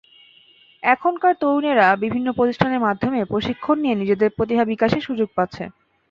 এখনকার তরুণেরা বিভিন্ন প্রতিষ্ঠানের মাধ্যমে প্রশিক্ষণ নিয়ে নিজেদের প্রতিভা বিকাশের সুযোগ পাচ্ছে।